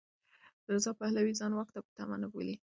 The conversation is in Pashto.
رضا پهلوي ځان واک ته په تمه نه بولي.